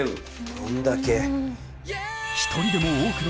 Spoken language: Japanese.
どんだけ。